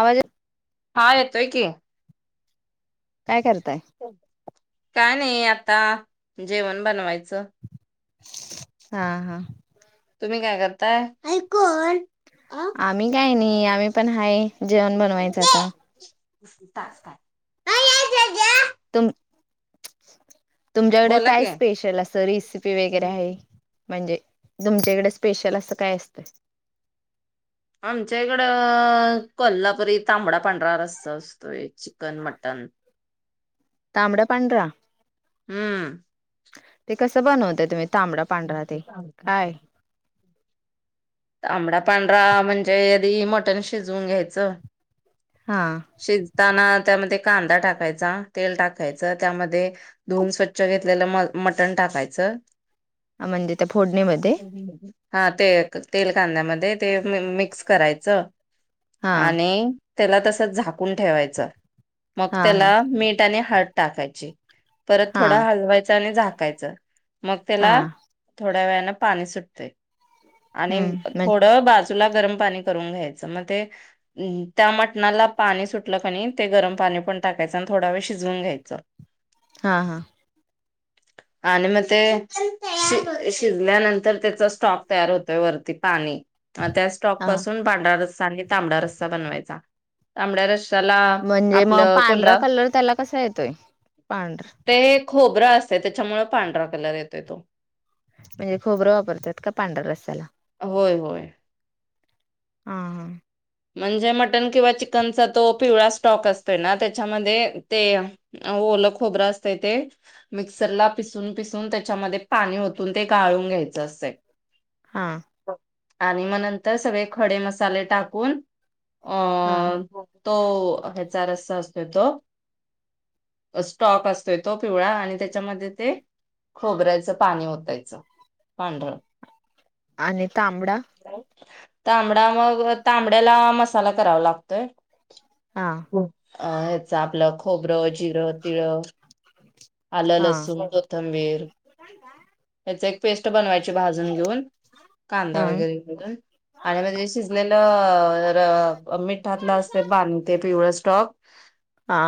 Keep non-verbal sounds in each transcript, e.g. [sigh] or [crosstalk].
आवाज येतो? हा येतोय की. काय करताय? काय नाही आता, जेवण बनवायचं. हा.. हा. तुम्ही काय करताय? आई कोण? आम्ही काय नाही. आम्ही पण हाय. जेवण बनवायचं आता. [unintelligible] तुम, तुमच्याकडे बोला की काय स्पेशल असंत रेसिपी वगैरे आहे?. म्हणजे, तुमच्याकडे स्पेशल असं काय असतं? आमच्या इकड कोल्हापुरी तांबडा पांढरा रस्सा आसतोयच. Chicken, mutton. तांबड पांढरा?. हम्म. ते कसं बनवताय तुम्ही पांढरा ते काय?. तांबडा पांढरा म्हणजे आधी मटण शिजवून घ्यायचं. हा. शिजताना त्यामध्ये कांदा टाकायचा तेल टाकायच त्यामध्ये धुवून स्वच्छ घेतलेलं म मटण टाकायचं. ह म्हणजे त्या फोडणीमध्ये. हा ते तेल कांद्यामध्ये ते मिक्स करायचं. हा आणि त्याला तस झाकून ठेवायचं मग हा हा त्याला मीठ आणि ह टाकायची परत हा. थोडं हलवायच आणि झाकायचं मग हा त्याला थोड्या वेळने पाणी सुटते आणि हम्म म्हण थोडं बाज जुला गरम पाणी करून घ्यायचं मग ते, हम. त्या मटणाला पाणी सुटलं कनी ते गरम पाणी पण टाकायचं आणि थोडा वेळ शिजवून घ्यायचं. हां हां. आणि मग ते श- [inaudible] [unintelligible] ल्यानंतर त्याचा स्टॉक तयार होतोय वरती पाणी त्या स्टॉक हा. पासून पांढरा रस्सा आणि तांबडा रस्सा बनवायचा तांबड्या रस् म्हणजे मग पांढरा कलर त्याला कसा येतोय पांढरा ते खोबरं असततय त्याच्यामुळे पांढरा कलर येतोय तो. म्हणजे खोबरं वापरतात का पांढर्य रस्याला. होय होय. हा हा. म्हणजे मटन किंवा चिकनचा तो पिवळा स्टॉक असतोय ना त्याच्यामध्ये ते अ ओलं खोबरं असतय ते मिक्सरला पिसून पिसून त्याच्यामध्ये पाणी वोतून ते गाळून घ्यायचं असंतय. हा. आणि मग नंतर सगळे खडे मसाले टाकून. अ हा म तो ह्याचा रस्सा असतोय तो अ स्टॉक असतोय तो पिवळा आणि त्याच्यामध्ये ते. खोबरायचं पाणी ओतायचं पांढर. आणि तांबडा तांबडा मग तांब त्याला मसाला करावं लागतोय. हा. ह्याच आपलं खोबरं जिरं तिळ आलं हा लसू कोथिंबीर. याच एक पेस्ट बनवायची भाजून घेऊन कांदा हा वगैरे करून. आणि मग ते शिजलेलं. मिठातलं असतय ते पाणि ते पिवळ स्टॉक. आ.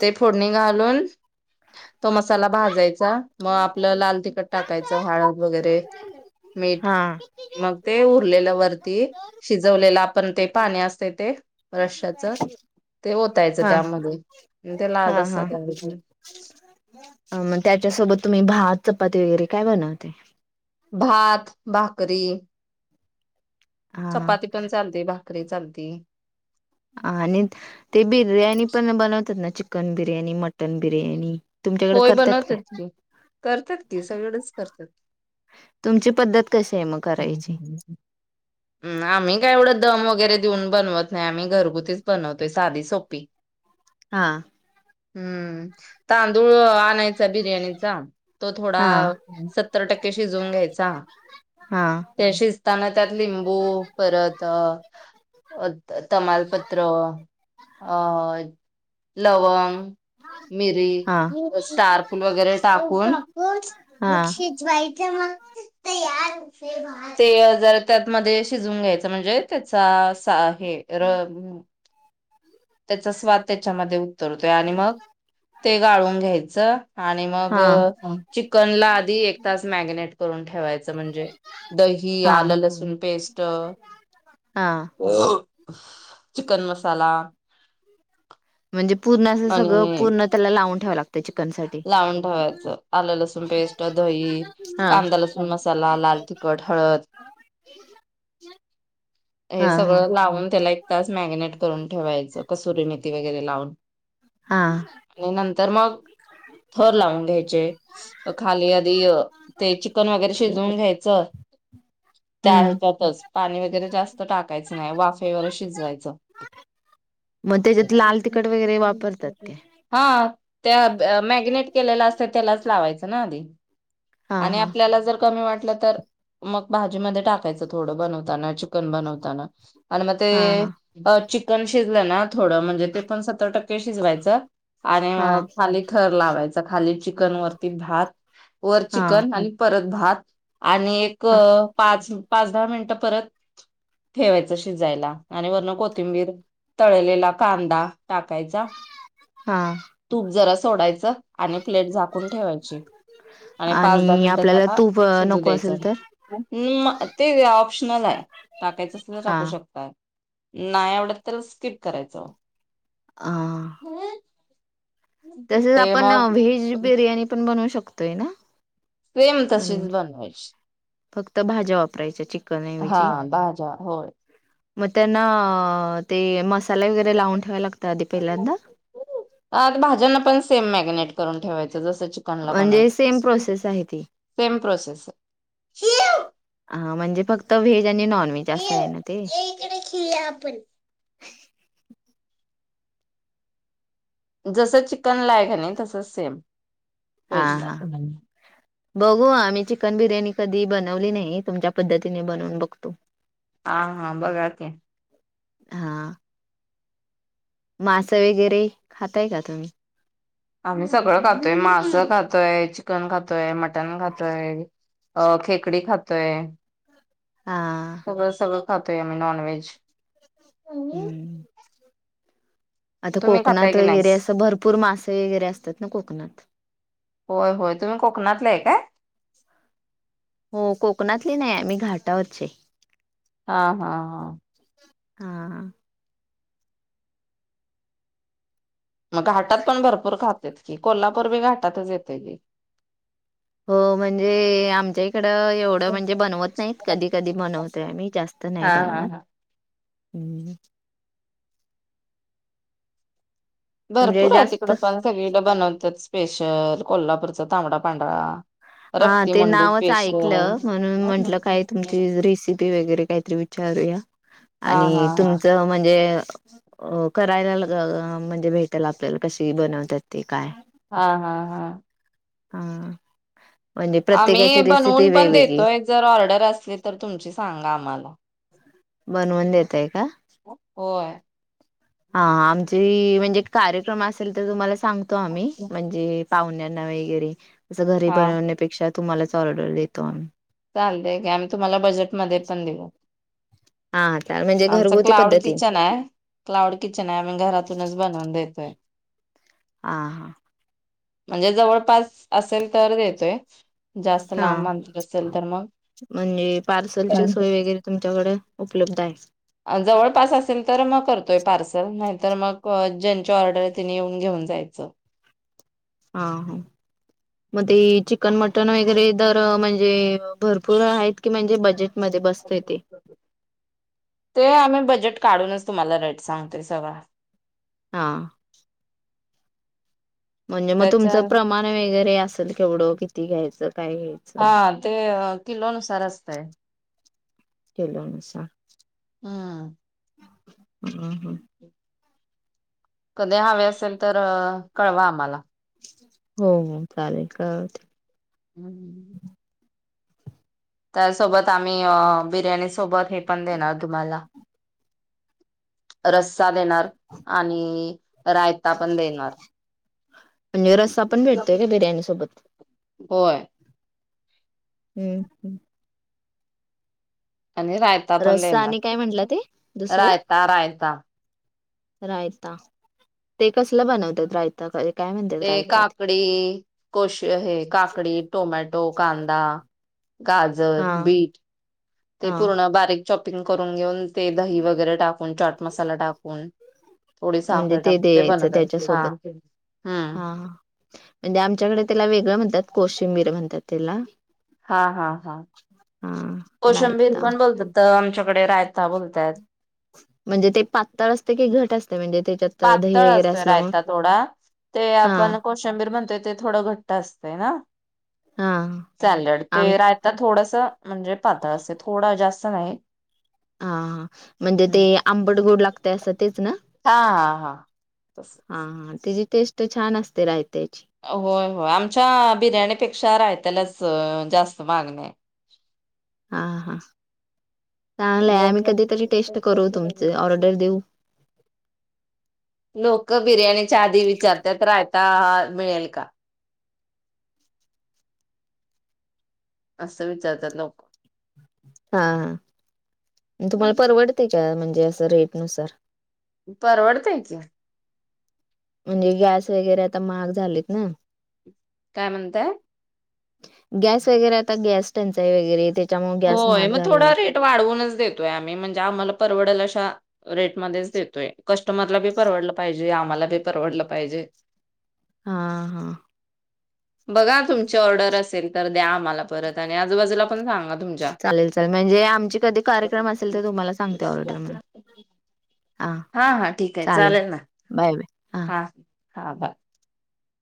ते फोडणी घालून तो मसाला भाजायचा मग आपलं लाल तिखट टाकायचं हळद वगैरे. मीठ हा मग ते उरलेलं वरती शिजवलेला. पण ते पाणी असते ते रश्याच ते ओतायचं हा त्यामध्ये म ते लाल रस्सा हा तयार होतो. अह त्याच्यासोबत तुम्ही भात, चपाती वगैरे काय बनवते? भात, भाकरी, हा चपाती पण चालते भा- करी चालते. आणि ते बिर्याणी पण बनवतात ना चिकन बिर्याणी मटन बिर्याणी तुमच्याकडे होय करतात काय बनवत्यात की करतात की सगळेचं करतात. तुमची पद्धत कशी आहे मग करायची? हम्म, आम्ही काय एवढं दम वगैरे देऊन बनवत नाही आम्ही घरगुतीच बनवतोय साधी सोपी हा. हम्म तांदूळ हा आणायचा बिर्याणीचा तो थोडा हा सत्तर टक्के शिजवून घ्यायचा हां. ते शिजताना त्यात लिंबू परत अह अह त. तमालपत्र अह लवंग मिरी हा मग स्टार फुल वगैरे टाकून, हा मग शि जवायचं मग तयार होतोय भात. ते जरा त्यात मध्ये शिजवून घ्यायचं म्हणजे त्याचा सार हे र हम्म. त्याचा स्वाद त्याच्यामध्ये उतरतोय आणि मग ते गाळून घ्यायचं. आणि मग हा चिकनला आधी एक तास मॅग्नेट करून ठेवायचं म्हणजे दही, हा आलं लसूण पेस्ट. हां. [unintelligible] चिकन मसाला म्हणजे पूर्ण असं सगळं आणि पूर्ण त्याला लावून ठेवाय ला लावून ठेवायचं आलं लसूण पेस्ट, दही, हा. कांदा लसूण मसाला, लाल तिखट, हळद [inaudible] हे हा हा सगळं लावून त्याला एक तास मॅगनेट करून ठेवायचं कस्तुरी मेथी वगैरे लावून हा. म नंतर मग थर लावून घ्यायचे. अह खाली आधी अह ते चिकन वगैरे शिजवून घ्यायचं त्या हम्म ह्याच्यातच पाणी वगैरे जास्त टाकायचं नाही वाफेवर शिजवायचं मग त्याच्यात लाल तिखट वगैरे वापरतात काय. हां त्या मॅगनेट केलेलं असत त्यालाच लावायचं ना आधी हा आणि हा आपल्याला जर कमी वाटलं तर मग भाजी मध्ये टाकायचं थोडं बनवताना चि कन बनवताना आणि म ते हा हा. अह चिकन शिजलं ना थोडं म्हणजे ते पण सत्तर टक्के शिजवायचं आणि हा मग खाली थर लावायचा खाली चिकन वरती भात वर हा चिकन आणि परत भात आणि एक ह पाच पाच दहा मिनिटं परत ठेवायचं शिजायला आणि वरन कोथिंबीर, तळलेला कांदा टाकायचा हा तूप जरा सोडायचं. आणि प्लेट झाकून ठेवायची आणि पाच दहा मिनटं आपल्याला जरा तूप शिजू नको द्यायचं असेल तर अम्म, ते ऑप्शनल आहे टाकायचं असलं तर हा. टाकू शकता नाय आवडत तर स्किप करायचं. आं. उं हूं. तसेच आपण व्हेज बिर्याणी, पण बनवू शकतोय ना? सेम तशीच म्हणजे बनवायची. फक्त भाज्या वापरायच्या हा चिकनऐवजी. भाज्या होय. मग त्यांना ते मसाले वगैरे लावून ठेवायं लागतंय, आधी पहिल्यांदा? आत भाज्यांना पण सेम मॅगिनेट करून ठेवायचं जसं चि कनला म्हणजे बनवते सेम तसं प्रोसेस आहे ती सेम प्रोसेस. हे ईवू. हा म्हणजे फक्त व्हेज आणि नॉन व्हेज, असं हे ना ते. ये इकडे खेळुया आपण. जसं चिकन ला आहे का नाही तसंच सेम. हां व्हेजला हां. बघू आम्ही चिकन बिर्याणी, कधी बनवली नाही. तुमच्या पद्धतीने बनवून बघतो. हा हा, बघा की. हां. मासं वगैरे खाताय का तुम्ही? आम्ही सगळं खातोय, मासं खातोय, चिकन खातोय, मटण खातोय. अं खेकडे खातोय. आ सगळं सगळं खातोय, आम्ही नॉनव्हेज. हम्म आता तुम्ही खाताय कोकणात की वगैरे, नाही असं भरपूर मासे वगैरे असतात ना कोकणात. होय होय. तुम्ही कोकणातलं आहे काय? हो कोकणातली नाही, आम्ही घाटावरचे. हा हा हा. हा. मग घाटात पण भरपूर खातेत की कोल्हापूर बी घाटातंच येतंय. हो म्हणजे आमच्या इकडं एवढं म्हणजे बनवत नाहीत. कधी कधी बनवतोय आम्ही जास्त इथ़ नाही हा हा बनवत, हा हम्म. म्हणजे भरपूर आहे तिकडं जास्त पण, सगळीकडे बनवतात स्पेशल. कोल्हापूरचा तांबडा पांढरा. हा. रक्ती ते मुंडी नावच स्पेशल ऐकलं म्हणून म्हंटलं, काय तुमची रेसिपी वगैरे कायतरी विचारूया हा हा आणि हा तुमचं म्हणजे अ करायला घ घ म्हणजे भेटेल आपल्याला कशी बनवतात ते काय? हा हा हा. हा. म्हणजे आम्ही प्रत्येकाची रेसिपी बनवून पण वेगवेगळी देतोय. जर ऑर्डर असली तर, तुमची सांगा आम्हाला. बनवून देताय का? होय. हा हा. आमचे म्हणजे कार्यक्रम असेल, तर तुम्हाला सांगतो आम्ही. म्हणजे पाहुण्यांना वगैरे, असं घरी हा बनवण्यापेक्षा तुम्हालाच ऑर्डर देतो आम्ही. चालते की आम्ही तुम्हाला बजेटमध्ये पण देऊ. हा चाल म्हणजे आमचं घरगुती क्लाउड पद्धती किचन आहे. क्लाउड किचन आहे. आम्ही घरातूनच बनवून देतोय. हां हां. म्हणजे जवळपास असेल तर देतोय, जास्त हा लांबं अंतर असेल तर मग म्हणजे पार्सलची सोय वगैरे, तुमच्याकडे उपलब्ध आहे. अ जवळपास असेल तर म करतोय पार्सल नाहीतर मग ज्यांची ऑर्डर आहे त्यांनी येऊन घेऊन जायचं हा हा म ते चिकन मटन वगैरे दर म्हणजे भरपूर आहेत की म्हणजे बजेट मध्ये बसतय ते ते आम्ही बजेट काढूनच तुम्हाला रेट सांगतोय सगळा हा म्हणजे म तुमचं त्याच्या प्रमाण वगरे असेल केवढं किती घ्यायचं काय घ्यायचं हा ते किलो नुसार असतंय किलो नुसार ह हम. हम कधी हवे असेल तर कळवा आम्हाला हम हम चालेल कळवते हम हम त्या सोबत आम्ही बिर्याणी सोबत हे पण देणार तुम्हाला रस्सा देणार आणि रायता पण देणार [inaudible] म्हणजे रस्सा पण भेटतोय का बिर्याणी सोबत? होय हम हम आणि रायता पण रस्सा आणि देणार काय म्हटलं ते दुसरं? रायता रायता रायता ते कसलं बनवत्यात रायता बाहीर ते काकडी कोश हे काकडी, टोमॅटो, कांदा गाजर, हा बीट ते हा पूर्ण बारीक चॉपिंग करून घेऊन ते दही वगैरे टाकून चाट मसाला टाकून थोडी म्हणजे साखर टाकून ते द्यायचं बनवत्यात हा त्याच्यासोबत हा म्हणजे आमच्याकड त्याला वेगळं म्हणत्यात कोशिंबीर म्हणत्यात त्याला हा हा हा हम कोशंबीर पण बोलत्यात आमच्याकडे रायता बोलत्यात म्हणजे ते पातळ असतय की घट असतय म्हणजे त्याच्यात दही पातळ वगैरे असतोय असल्यामुळे रायता थोडा ते हा आपण कोशंबीर म्हणतोय ते थोड घट्ट असतय ना हा सॅलड ते आम रायता थोडस म्हणजे पातळ असय थोडं जास्त नाही हा हा म्हणजे ते आंबड गोड लागतय असं तेच ना हा हा हा. आस हा हा त्याची टेस्ट छान असत्या रायत्याची होय होय आमच्या बिर्याणी पेक्षा रायत्यालाच जास्त मागणी हाय हा हा चांगल हाय आम्ही कधीतरी टेस्ट करू तुमच लोक ऑर्डर देऊ लोक बिर्याणीच्या आधी विचारत्यात रायता मिळेल का असं विचारत्यात लोक हा हा म तुम्हाला परवडतय काय म्हणजे असं रेट नुसार परवडतंय की म्हणजे गॅस वगैरे आता महाग झालेत ना काय म्हणताय गॅस वगैरे आता गॅस टंचाई वगैरे त्याच्यामुळे गॅस होय, महाग मग झाले थोडा आहेत. रेट वाढवूनच देतोय आम्ही म्हणजे आम्हाला परवडल अशा रेटमध्येच देतोय कस्टमरला बी परवडलं पाहिजे आम्हाला बी परवडलं पाहिजे. हा हा बघा तुमची ऑर्डर असेल तर द्या आम्हाला परत आणि आजूबाजूला पण सांगा. तुमच्या. चालेल चालेल म्हणजे आमचे कधी कार्यक्रम असेल तर तुम्हाला सांगते ऑर्डर मग. हां हा ठीक आहे चालेल ना बाय बाय हा हा बरं.